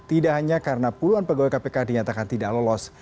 tidak hanya karena puluhan pegawai kpk dinyatakan tidak lolos